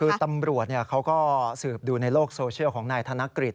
คือตำรวจเขาก็สืบดูในโลกโซเชียลของนายธนกฤษ